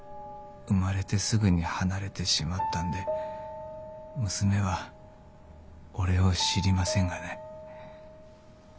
生まれてすぐに離れてしまったんで娘は俺を知りませんがね。